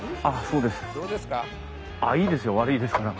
あっそうです。